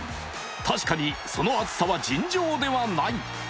確かにその熱さは尋常ではない。